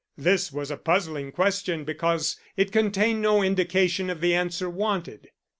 This was a puzzling question, because it contained no indication of the answer wanted.